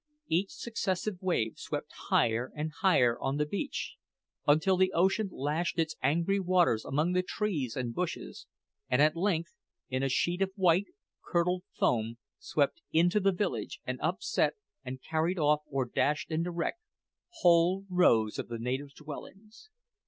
Each successive wave swept higher and higher on the beach until the ocean lashed its angry waters among the trees and bushes, and at length, in a sheet of white, curdled foam, swept into the village and upset and carried off, or dashed into wreck, whole rows of the native dwellings!